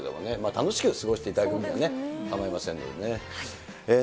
楽しく過ごしていただく分には構いませんのでね。